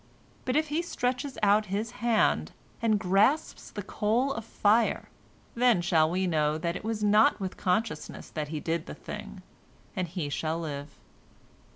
But if he stretches out his hand and grasps the coal of fire, then shall we know that it was not with consciousness that he did the thing, and he shall live."